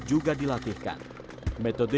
apabila kita melompat